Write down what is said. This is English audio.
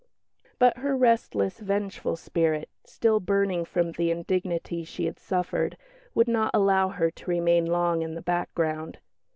But her restless, vengeful spirit, still burning from the indignities she had suffered, would not allow her to remain long in the background.